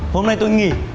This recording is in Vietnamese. hôm nay tôi nghỉ